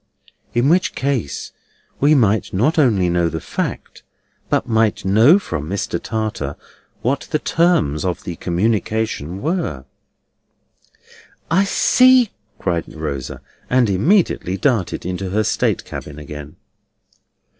In which case, we might not only know the fact, but might know from Mr. Tartar what the terms of the communication were." "I see!" cried Rosa. And immediately darted into her state cabin again.